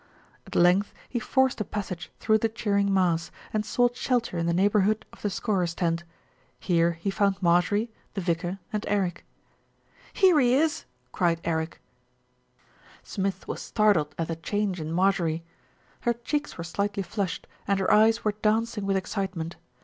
At length he forced a passage through the cheering mass, and sought shelter in the neighbourhood of the scorers' tent. Here he found Marjorie, the vicar, and Eric. "Here he is," cried Eric. 204 THE RETURN OF ALFRED Smith was startled at the change in Marjorie. Her cheeks were slightly flushed, and her eyes were dancing with excitement.